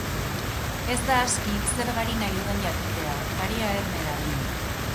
Ez da aski zer gari nahi dudan jakitea, garia erne dadin.